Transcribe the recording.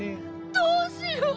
どうしよう。